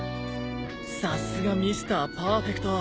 さすがミスター・パーフェクト。